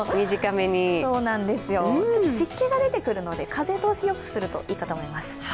湿気が出てくるので風通しよくするといいかと思います。